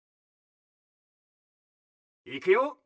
いくよ。